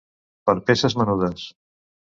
Per peces menudes.